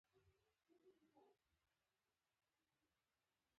پسه اکثره سپین رنګه وي.